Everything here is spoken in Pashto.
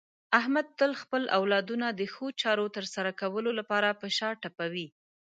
احمد تل خپل اولادونو د ښو چارو د ترسره کولو لپاره په شا ټپوي.